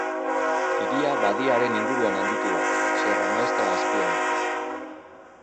Hiria badiaren inguruan handitu da, Sierra Maestra azpian.